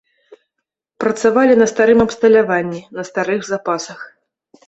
Працавалі на старым абсталяванні, на старых запасах.